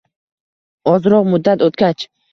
Ozroq muddat o‘tgach